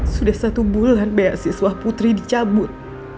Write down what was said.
sudah satu bulan bh siswa putri di jabut